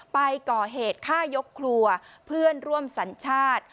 ไปก่อเหตุฆ่ายกครัวเพื่อนร่วมสัญชาติ